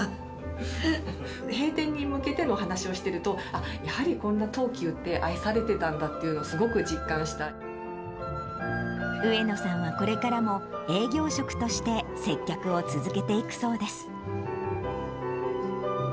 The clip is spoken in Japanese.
閉店に向けてのお話をしてると、やはり、こんな東急って、愛されてたんだっていうのを、上野さんはこれからも、営業職として接客を続けていくそうです。